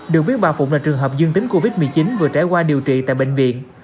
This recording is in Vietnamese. được biết bà phụng là trường hợp dương tính covid một mươi chín vừa trải qua điều trị tại bệnh viện